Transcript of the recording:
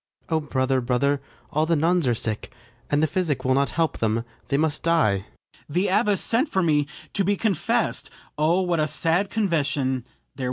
O brother, brother, all the nuns are sick, And physic will not help them! they must die. FRIAR BARNARDINE. The abbess sent for me to be confess'd: O, what a sad confession will there be!